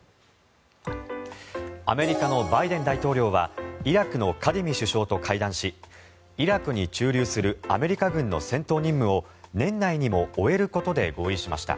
アメリカのバイデン大統領はイラクのカディミ首相と会談しイラクに駐留するアメリカ軍の戦闘任務を年内にも終えることで合意しました。